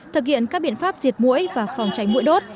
thực hiện các biện pháp diệt mũi và phòng tránh mũi đốt